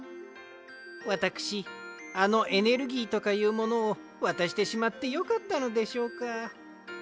わたくしあのエネルギーとかいうものをわたしてしまってよかったのでしょうか。